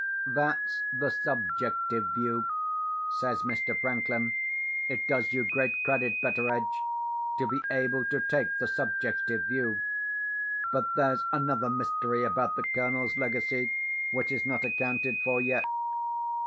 "That's the Subjective view," says Mr. Franklin. "It does you great credit, Betteredge, to be able to take the Subjective view. But there's another mystery about the Colonel's legacy which is not accounted for yet.